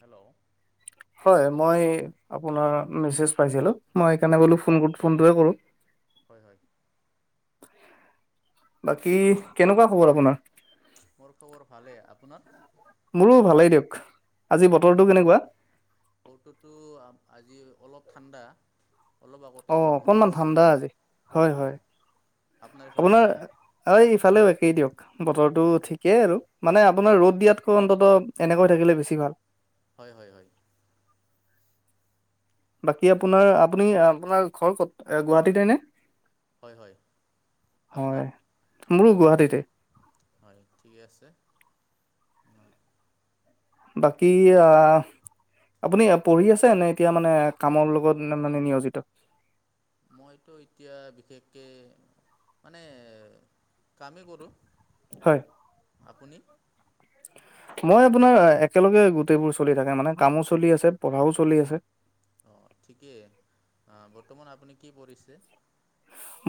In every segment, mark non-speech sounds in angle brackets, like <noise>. Hello? হয়, মই আপোনাৰ মেছেজ পাইছিলোঁ, মই সেইকাৰণে হয় বোলো হয় ফোন গ ফোনটোৱে কৰোঁ। হয়, হয়। অ বাকী কেনেকুৱা খবৰ আপোনাৰ? মোৰ খবৰ ভালে, আপোনাৰ? মোৰো ভালেই দিয়ক, আজি বতৰটো কেনেকুৱা? বতৰতো আ-আজি অলপ ঠাণ্ডা। অলপ অ আগতে বৰষুণ অকনমান পৰিছিল ঠাণ্ডা না? আজি হয় হয় অহ। আপোনাৰ, এই ইফালেও একেই দিয়ক বতৰটো হয় ঠি কেই আৰু মানে আপোনাৰ ৰ'দ দিয়াতকৈ অন্তত এনেকৈ থাকিলে বেছি ভাল। হয়, হয়, হয়। বাকী আপোনাৰ আপুনি আপোনাৰ ঘৰ ক'ত আহ গুৱাহাটীতে নে? হয় হয় আপোনাৰ মই মোৰো গুৱাহাটীতে। হয় ঠিকে আছে। অ বাকী আহ আপুনি আ পঢ়ি আছে নে এতিয়া মানে কামৰ লগত মানে নিয়োজিত? মইত' এতিয়া বিশেষকে মানে এ কামে কৰোঁ। হয়। আপুনি? মই আপোনাৰ একেলগে গোটেইবোৰ চলি থাকে মানে। কামো চলি আছে, পঢ়াও চলি আছে। অঁহ ঠিকেই বৰ্তমান আপুনি কি পঢ়িছে?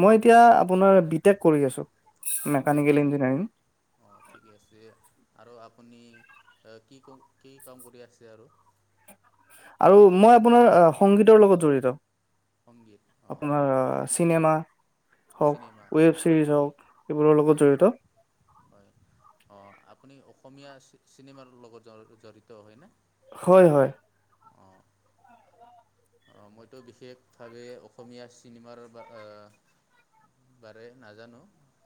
মই এতিয়া আপোনাৰ বি টেক কৰি আছো। বি টেক মেকানিকেল ঠি ইঞ্জিনিয়াৰিং। অঁ ঠিকে আছে, আৰু আপুনি আহ কি কম কি কাম কৰি আছে আৰু? আৰু মই আপোনাৰ আ সংগীতৰ লগত জড়িত। সংগীত অঁ আপোনাৰ আ চিনেমা হওঁক, চিনেমা অঁ ৱেব ছিৰিজ হওঁক এইবোৰৰ হয় লগত হয় জড়িত। হয় অঁ আপুনি অসমীয়া চি চিনেমাৰ লগত জ জড়িত হয়না? হয় হয়। আঁ মইতো বিশেষভাৱে অসমীয়া চিনেমাৰ বা আহ বাৰে নাজানো।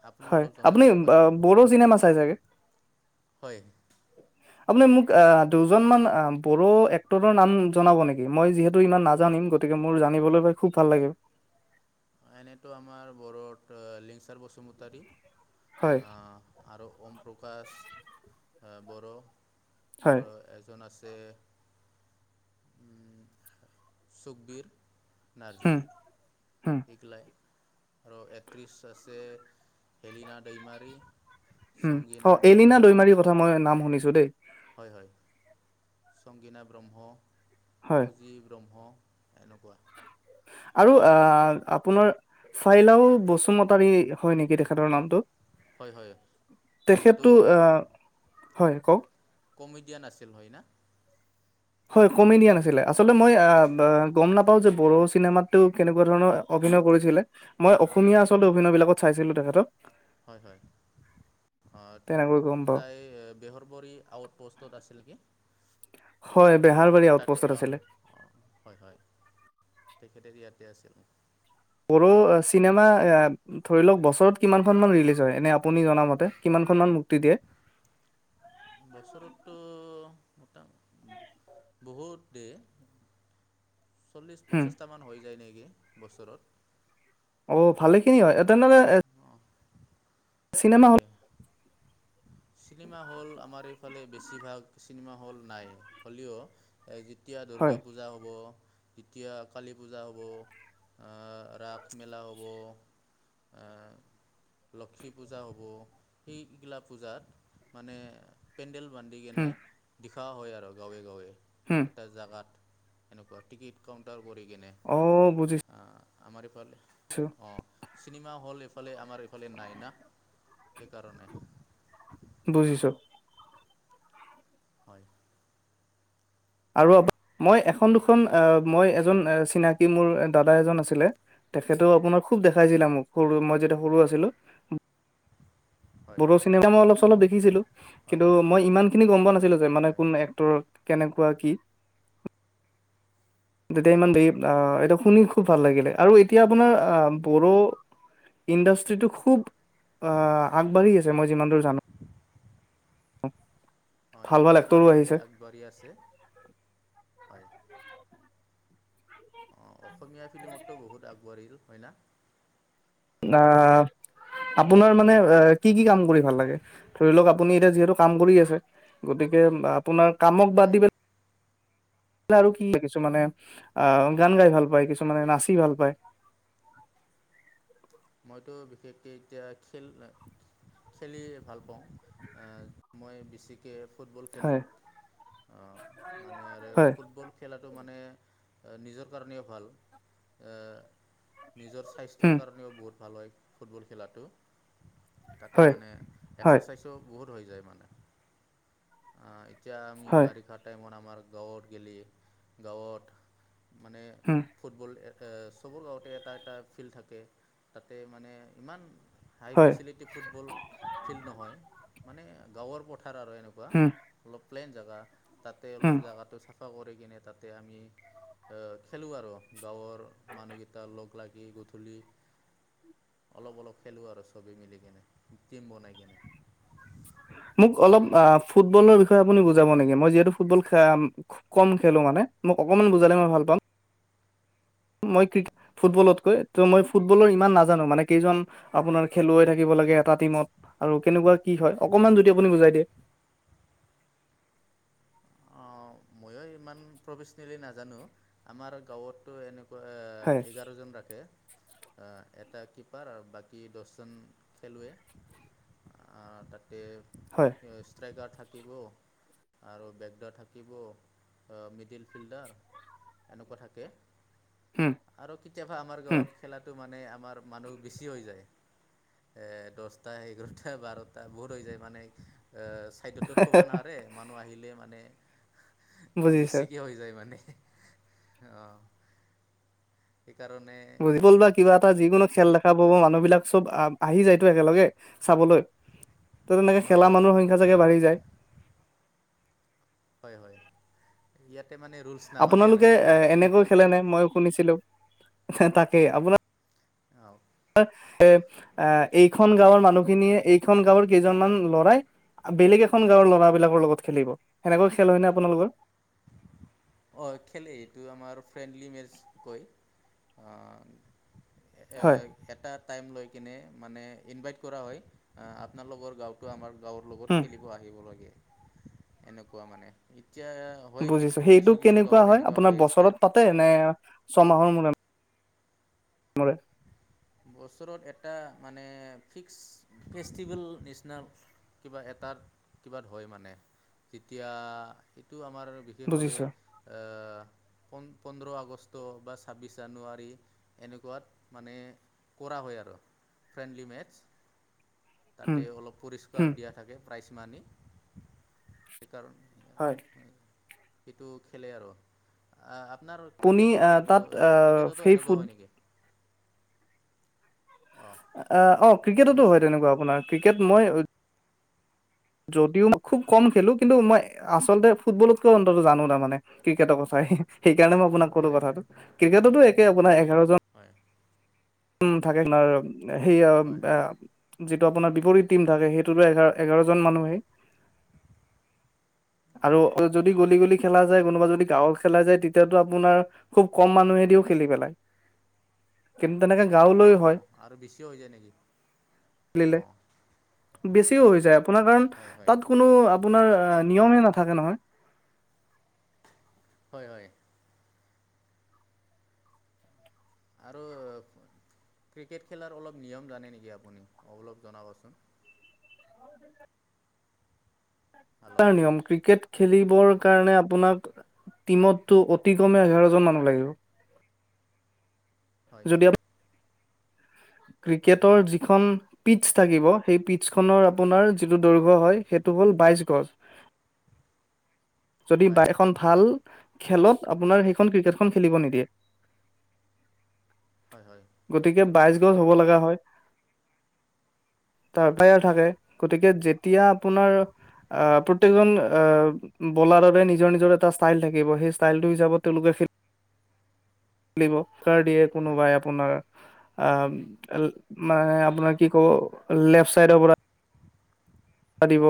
আপুনি হয় অলপ জনাই আপুনি দিব বাহ পাৰিবনে বড়ো চিনেমা চাই চাগে? হয় আপুনি মোক এ দুজন মান এ বড়ো এক্টৰৰ নাম জনাব নেকি? মই যিহেতু ইমান নাজানিম গ তিকে মোৰ জানিবলৈ পাই খুব ভাল লাগে। এনেইতো আমাৰ বড়োত লিংচাৰ বসুমতাৰী হয় হাঁহ। আৰু ঔম প্ৰকাশ এ বড়ো হয়। আৰু এ জন আছে, উম ছুকবিৰ। উম, নাৰ্জী। উম, এই গিলাই আৰু এক্টত্ৰিছ আছে হেলিনা দৈমাৰী। হুম অঁ, এলিনা দৈমাৰীৰ কথা মই নাম শুনিছো দেই। হয় হয় সংগীনা ব্ৰহ্ম, হয়। ফুজী ব্ৰহ্ম। এনকুৱা। আৰু আ আপোনাৰ ফাইলাও বসুমতাৰী হয় নেকি তেখেতৰ নামটো। হয় হয় যোনটো আহ হয় ওম কওক কমেডিয়ান আছিল হয় না? হয় কমেডিয়ান আছিলে, আচলতে মই অঁ আহ বাহ গ'ম নাপাও যে বড়ো চিনেমাটো কেনেকুৱা ধৰণৰ অভিনয় কৰিছিলে, মই হয় অসমীয়া আচলতে অভিনয় বিলাকত চাইছিলো তেখেতক। হয় হয় অঁ ত তেনেকৈ গম পাওঁ তাই বেহৰবৰী আউট প'ষ্টত আছিল নেকি? হয়, বেহাৰবাৰী আউট তাতে পোষ্টত অঁ আছিলে। অঁ হয় হয় তেখেতে ইয়াতে আছিল। বড়ো চিনেমা এয়া ধৰি লওক বছৰত কিমানখমান ৰিলিজ হয়, এনে আপুনি জনামতে কিমান খন মান মুক্তি দিয়ে? বছৰতটো মোতাঙ বহুত দে, চল্লিছ হুম পঞ্চাছটা মান হৈ যায় নেকি বছৰত। অঁ' ভালেখিনি হয়, এ তেনে হ'লে- অঁ' হয়। চিনেমা হল আমাৰ এইফালে বেছিভাগ চিনেমা হল নাই, হ'লেও- যেতিয়া হয় দুৰ্গা পূজা হ'ব- যেতিয়া কালী পূজা হব, আহ' ৰাস মেলা হ'ব- আহ' লক্ষী পূজা হ'ব সেইবিলাক- পূজাত মানে পেণ্ডেল বান্ধি কেনে হুম দেখোৱা হয় আৰু গাঁৱে গাঁৱে। হুম। এটা জেগাত এনেকুৱা টিকিট কাউণ্টাৰ কৰি কেনে। অঁ' বুজি অঁ' আমাৰ ইফালে- ছোঁ। অঁ' চিনেমা হল এইফালে আমাৰ এইফালে নাই না সেইকাৰণে। <unintelligible> বুজিছোঁ। হয়। আৰু <unintelligible> মই এখন দুখন মই এজন চিনাকি মোৰ দাদা এজন আছিলে- তেখেতও আপোনাৰ খুব দেখাইছিলে মোক হয় সৰু মই যেতিয়া সৰু আছিলোঁ। হয় বড়ো চিনেমা মই অলপ চলপ দেখিছিলোঁ কিন্তু হয় মই ইমানখিনি গম পোৱা নাছিলো যে হয় কোন এক তৰ কেনেকুৱা কি। তেতিয়া হয় ইমান আহ' এইটো শুনি খুব ভাল হয় লাগিলে। আৰু এতিয়া আপোনাৰ বড়ো ইণ্ডাষ্ট্ৰিটো খুব আহ' আগবাঢ়ি আছে মই যিমান দূৰ জানোঁ। হয়, ভাল ভাল এতিয়া এক্টৰো লাহে লাহে আহিছে আগবাঢ়ি আছে হয়। অঁ' অসমীয়া ফিল্মততো বহুত আগবাঢ়িল, হয় না? আহ'- আপোনাৰ মানে এ কি কি কাম কৰি ভাল লাগে, ধৰি লওঁক আপুনি এতিয়া যিহেতু কাম কৰি আছে। গতিকে আপোনাৰ কামক বাদ হয় দি পে <unintelligible> আৰু কি <unintelligible> কিছুমানে আহ' গান গাই ভাল পায়, কিছুমানে নাচি ভাল পায়। মইতো বিশেষকে এতিয়া খেল- খেলিয়ে ভাল পাওঁ, মই বেছিকে- ফুটবল হয় খেলোঁ অঁ' মানে আৰু হয় ফুটবল খেলাটো মানে নিজৰ কাৰণেও ভাল, আহ' নিজৰ স্বাস্থ্যৰ উম কাৰণেও বহুত ভাল হয় ফুটবল খেলাটো। তাতে হয় মানে হয় এক্সাৰচাইজো বহুত হৈ যায় মানে। আহ' এতিয়া আমি হয় বাৰিষাত- টাইমত আমাৰ গাওঁত‌‌ গেলি গাঁৱত মানে- উমঁ'। ফুটবল চবৰ গাঁৱতে এটা এটা ফিল্ড থাকে। তাতে মানে ইমান হাই হয় ফেচিলিটি ফুটবল- ফিল্ড নহয় মানে গাঁৱৰ পথাৰ আৰু এনেকুৱা উম অলপ প্লেন জেগা। তাতে উম অলপ জেগাটো চাফা কৰি কিনে তাতে আমি- খেলোঁ আৰু গাঁৱৰ মানুহকেইটা লগ লাগি গধূলি- অলপ অলপ খেলোঁ আৰু চবে মিলি কিনে টিম বনাই কিনে। মোক অলপ হয় আহ' ফুটবলৰ বিষয়ে আপুনি বহুত বুজাব নেকি, মই যিহেতু - ফুটবল খেল খুব কম খেলো মানে, মোক অকণমান বুজালে মই ভাল পাম। মই ক্ৰিকেট ফুটবলতকৈ, ত' মই ফুটবলৰ ইমান নাজানোঁ মানে কেইজন আপোনাৰ খেলুৱৈ থাকিব লাগে, এটা টিমত। আৰু কেনেকুৱা কি হয়, অকমান যদি আপুনি বুজাই দিয়ে। অ' মইও ইমান প্ৰফেচনেলি নাজানোঁ। আমাৰ লগৰটো এনেকুৱা হয় কুৱা এঘাৰজন থাকে। এটা কিপাৰ আৰু বাকী দহজন খেলুৱৈ, আ তাত তাতে হয় এ ষ্ট্ৰাইকাৰ থাকিব আৰু বেকডাৰ থাকিব, আ মিডিল ফিল্ডাৰ এনেকুৱা থাকে। উম আৰু কেতিয়াবা আমাৰ উম গাঁৱত খেলাটো মানে, আমাৰ মানুহ বেছি হৈ যায়। এ দহটা, এঘাৰটা, বাৰটা বহুত হৈ যায় মানে এ সেইটোতো থ'ব নোৱাৰে, মানুহ আহিলে মানে বুজিছে বেছিকে হৈ যায় মানে, অহ'। সেইকাৰণে ফুটবল বা কিবা এটা যিকোনো খেল দেখা পাব মানুহবিলাক চব আহ', আহি যায়তো একেলগে, চাবলৈ। ত' তেনেকে হয় খেলা হয় মানুহৰ সংখ্যা চাগৈ বাঢ়ি যায়। হয়, হয় ইয়াতে মানে ৰুছ আপোনালোকে এ এনেকৈ খেলেনে মই শুনিছিলোঁ, হে তাকে আপোনাৰ হেইয়াই আৰু। এ, এ, এ এইখন গাঁৱৰ মানুহখিনিয়ে, এইখন গাঁৱৰ কেইজনমান ল'ৰাই আ বেলেগ এখন গাঁৱৰ ল'ৰা বিলাকৰ লগত খেলিব। সেনেকুৱা খেল হয় নে আপোনালোকৰ অ' খেলে এইটো আমাৰ ফ্ৰেণ্ডলি মেচ কয়। আ, এ হয় এটা টাইম লৈ কিনে মানে ইনভাইট কৰা হয়। আ আপোনালোকৰ গাৱত টো, আমাৰ গাঁৱৰ লগত উম খেলিব আহিব লাগে, এনেকুৱা মানে এতিয়া হয় বুজিছোঁ। সেইটো কিছু কিছু কেনেকুৱা গাঁৱৰ হয় এনেকুৱা আপোনাৰ হৈ আছে বছৰত প পাতে নে ছমাহৰ মূৰে মূৰে। বছৰত এটা মানে ফিক্স ফেষ্টিভেল নিচিনা কিবা এটাত কিবা হয় মানে, তেতিয়া এইটো আমাৰ বি যি ভাবে বুজিছো আহ' পোন-পোন্ধৰ আগষ্ট বা ছাব্বিছ জানুৱাৰী এনেকুৱাত, মানে কৰা হয় আৰু, ফ্ৰেণ্ডলি মেটছ। উম তাতে অলপ উম পৰিষ্কাৰ দিয়া থাকে। প্ৰাইজ মানি, সেইকাৰণে হয়। সেইটো খেলে আৰু। আ-আপোনাৰ আপুনি ক্ৰিকেটৰ, আহ অ' তাত আহ ক্ৰিকেটতো সেই এনেকুৱা ফুট হয় নেকি? অঁ এ অ' ক্ৰিকেটতো হয় শুনিছোঁ তেনেকুৱা আপোনাৰ, ক্ৰিকেট মই যদিও মই খুব কম খেলো। কিন্তু মই আচলতে ফুটবলতকৈ অন্তত জানোঁ, তাৰ মানে ক্ৰিকেটৰ কথাই, সেইকাৰণে মই আপোনাক ক'লো হয় কথাটো। ক্ৰিকেটতো একে আপোনাৰ এঘাৰজন হয়। উম, থাকে না, সেইয়া হয় আ যিটো আপোনাৰ বিপৰীত টিম থাকে, সেইটোতো এঘাৰ-এঘাৰজন মানুহে আৰু অঁ অকল যদি গলি গলি খেলা যায়, কোনোবা যদি গাঁও খেলা যায়, তেতিয়াতো আপোনাৰ খুব কম মানুহে দিওঁ, খেলি পেলাই। কিন্তু তেনেকে গাঁৱলৈ অঁ হয়। অঁ আৰু বেছিও হৈ যায় নেকি খেলিলে অঁ বেছিও হৈ যায় আপোনাৰ কাৰণ হয় হয় তাত কোনো আপোনাৰ এ, নিয়মে নাথাকে নহয়। হয়', হয়। আৰু, ক্ৰিকেট খেলাৰ অলপ নিয়ম জানে নেকি? আপুনি অলপ জনাবচোন কাৰ হেল্ল' নিয়ম ক্ৰিকেট? খেলিবৰ কাৰণে আপোনাক, টিমতটো, অতি কমে এঘাৰ জন মানুহ লাগিব। হয়', যদি হয়। আপ হয় ক্ৰিকেটৰ যিখন পিটছ থাকিব সেই পিটছখনৰ আপোনাৰ যিটো দৈৰ্ঘ্য হয় সেইটো হ'ল বাইছ গচ যদি বা বাইছ এখন অঁ ভাল, খেলত আপোনাৰ সেইখন ক্ৰিকেট খন খেলিব নিদিয়ে হয়, হয়। গতিকে বাইছ গছ হ'ব লগা হয়। তাৰপৰাই থাকে। গতিকে যেতিয়া আপোনাৰ, হয় আহ প্ৰত্যেক জন আহ। বলাৰৰে নিজৰ নিজৰ এটা ষ্টাইল থাকিব, সেই ষ্টাইলটো হিচাবত তেওঁলোকে খেল খেলিব, কাৰ দিয়ে হয় কোনোবাই আপোনাৰ অ', মানে আপোনাৰ কি ক'ব লেফ্ট চাইডৰ পৰা <inaudible> দিব,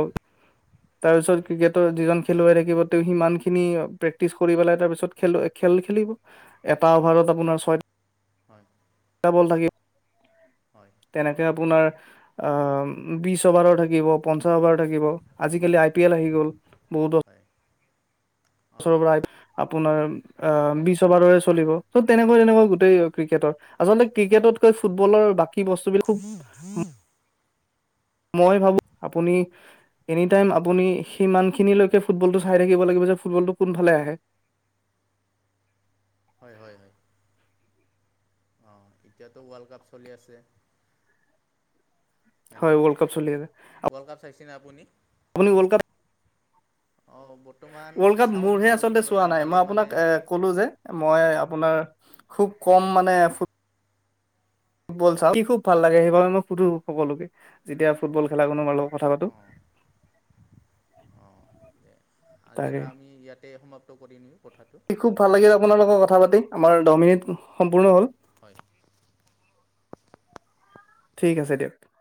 তাৰপিছত ক্ৰিকেটৰ যিজন হয় খেলুৱৈ হয় থাকিব তেওঁ সিমানখিনি প্ৰেক্টিছ কৰি পেলাই তাৰপিছত, খেলুৱৈ খেল খেলিব, এটা অ'ভাৰত আপোনাৰ ছয় হয়। টা বল থাকে হয়। তেনেকে আপোনাৰ বিছ অ'ভাৰো থাকিব পঞ্চাছ অ'ভাৰ থাকিব, আজিকালি আই পি এল আহি গ'ল। বহুতো। হয়। বছৰৰ অঁ পৰা, আপোনাৰ অ' বিছ অ'ভাৰৰে চলিব তো তেনেকুৱা তেনেকুৱা গোটেই ক্ৰিকেটত, আচলতে অঁ ক্ৰিকেটতকৈ ফুটবলাৰ বাকী বস্তুবিলাক খুব <inaudible> মই ভাবোঁ, আপুনি এনি টাইম আপুনি সিমানখিনিলৈকে ফুটবলটো চাই থাকিব লাগিব যে ফুটবলটো কোনফালে আহে। হয় হয় হয়। অ' এতিয়াতো ৱৰ্ল্ড কাপ চলি আছে? হয় না। ৱৰ্ল্ড কাপ চলি আছে ৱৰ্ল্ড কাপ চাইছেনে আপুনি? আপুনি ৱৰ্ল্ড কাপ অ', বৰ্তমান ৱৰ্ল্ড কাপ চাওঁ মোৰহে কেতিয়াবা আচলতে কেতিয়াবা চোৱা টাইম নাই মই পালেই আপোনাক মানে এ ক'লো যে, মই আপোনাৰ, খুব কম হয় মানে ফুটবল চাওঁ। খেলি সুধি খুব ভাল লাগে সেইবাবে মই সুধো সকলোকে, যেতিয়া ফুটবল খেলা কোনো বাৰু অ' অ' দে আজিটো তাকে আমি ইয়াতে সমা প্ত কৰিম কথাটো খুব ভাল লাগিল আপোনাৰ লগত কথা পাতি আমাৰ দহ মিনিট সম্পূৰ্ণ হ'ল। হয়। ঠিক আছে দিয়ক।